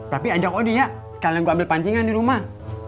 tapi ajak udi ya sekalian gue ambil pancingan di rumah